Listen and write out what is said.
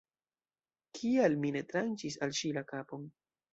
Kial mi ne tranĉis al ŝi la kapon?